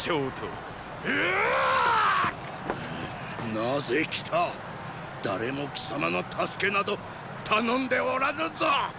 なぜ来た誰も貴様の援けなど頼んでおらぬぞ！